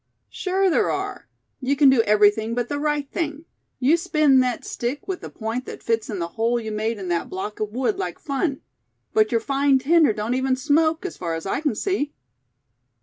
"Sure there are. You can do everything but the right thing. You spin that stick with the point that fits in the hole you made in that block of wood, like fun; but your fine tinder don't even smoke, as far as I can see."